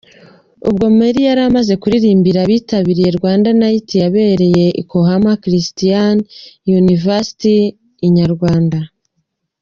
Ubwo Mary yari amaze kuririmbira abitabiriye Rwanda Night yabereye Oklahoma Christian University, inyarwanda.